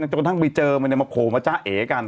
มันกำลังไปเจอมันกำลังมาโขลมาจ้าเอกัน